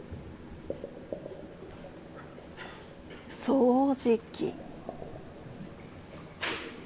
掃除機。